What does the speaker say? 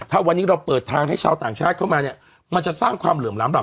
ถ้าวันนี้เราเปิดทางให้ชาวต่างชาติเข้ามาเนี่ยมันจะสร้างความเหลื่อมล้ำ